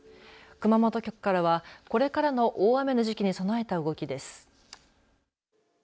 熊本局からはこれからの大雨の時期に備えた動きです。